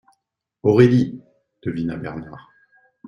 «Aurélie !» devina Bernard.